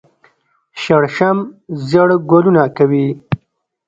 شړشم ژیړ ګلونه کوي